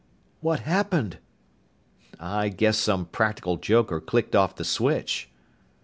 "What happened?" "I guess some practical joker clicked off the switch."